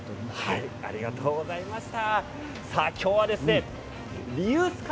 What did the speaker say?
先輩ありがとうございました。